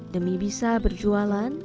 demi bisa berjualan